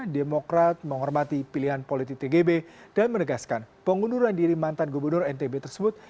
demokrat menghormati pilihan politik tgb dan menegaskan pengunduran diri mantan gubernur ntb tersebut